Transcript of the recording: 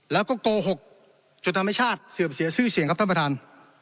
แล้วก็โกหกจนทำให้ชาติเสื่อมเสียชื่อเสียงครับท่านประธาน